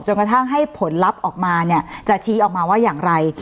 กระทั่งให้ผลลัพธ์ออกมาเนี่ยจะชี้ออกมาว่าอย่างไร